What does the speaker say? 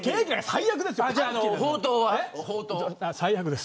最悪です。